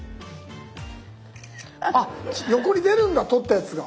横に出るんだ撮ったやつが。